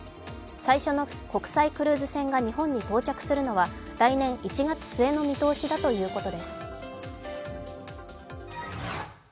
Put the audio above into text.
最初の国際クルーズ船が日本に到着するのは来年１月末の見通しだということです。